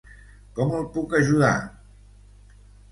Com el puc ajudar?